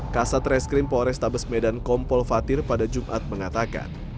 kasat reskrim polrestabes medan kompol fatir pada jumat mengatakan